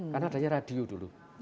karena adanya radio dulu